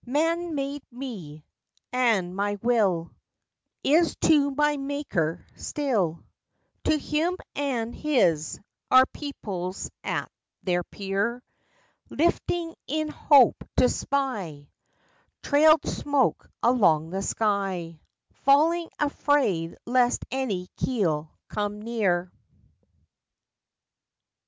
Man made me, and my will Is to my maker still To him and his, our peoples at their pier: Lifting in hope to spy Trailed smoke along the sky; Falling afraid lest any keel come near!